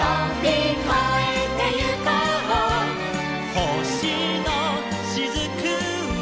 「ほしのしずくは」